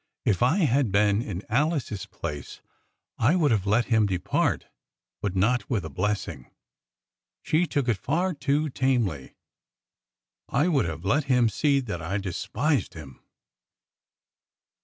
If I had been in Alice's place I would have let him depart, but not with a blessing! She took it far too tamely. I would have let him see that I despised him."